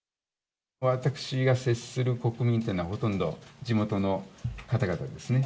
私が接する国民というのは、ほとんど地元の方々ですね。